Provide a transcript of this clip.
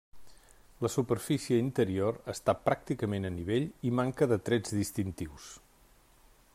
La superfície interior està pràcticament a nivell i manca de trets distintius.